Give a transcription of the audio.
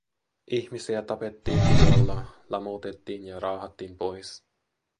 Ihmisiä tapettiin videolla, lamautettiin ja raahattiin pois.